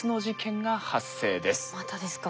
またですか。